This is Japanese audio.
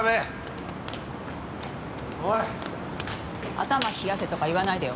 頭冷やせとか言わないでよ。